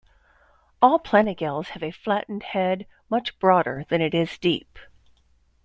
All planigales have a flattened head, much broader than it is deep.